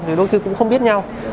thì đôi khi cũng không biết nhau